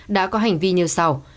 đã có hành vi như sau